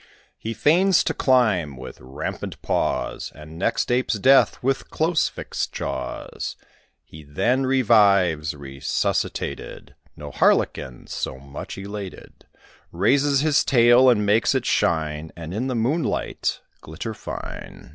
He feigns to climb, with rampant paws, And next apes death, with close fixed jaws. He then revives, resuscitated: No harlequin so much elated: Raises his tail, and makes it shine, And in the moonlight glitter fine.